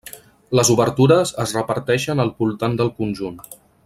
Les obertures es reparteixen al voltant del conjunt.